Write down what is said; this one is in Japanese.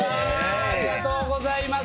ありがとうございます。